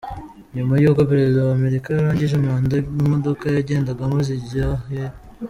Nyuma y’uko Perezida wa Amerika arangije manda, imodoka yagendagamo zijya he?.